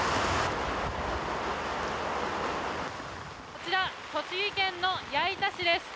こちら栃木県の矢板市です。